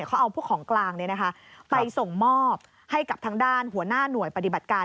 เขาเอาพวกของกลางไปส่งมอบให้กับทางด้านหัวหน้าหน่วยปฏิบัติการ